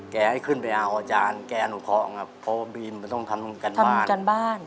ให้ขึ้นไปเอาอาจารย์แกอนุเคาะครับเพราะว่าบีมมันต้องทำการบ้านกันบ้าน